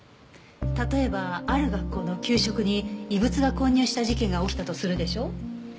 例えばある学校の給食に異物が混入した事件が起きたとするでしょ。